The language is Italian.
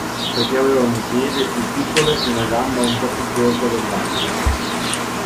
Perché aveva un piede più piccolo e una gamba un po' più corta dell'altra.